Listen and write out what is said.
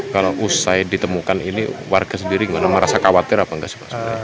kalau usai ditemukan ini warga sendiri gimana merasa khawatir apa enggak sih pak